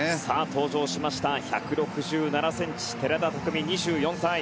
登場しました１６７ｃｍ寺田拓未、２４歳。